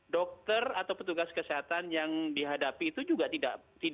dokter atau petugas kesehatan yang dihadapi itu juga tidak